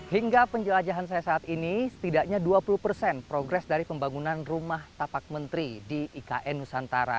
hingga penjelajahan saya saat ini setidaknya dua puluh persen progres dari pembangunan rumah tapak menteri di ikn nusantara